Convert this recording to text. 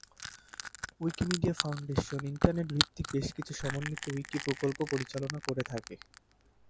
Wikimedia foundation internet ভিত্তিক বেশকিছু সমন্বিত উইকি প্রকল্প পরিচালনা করে থাকে।